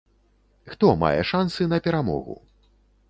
Хто мае шансы на перамогу?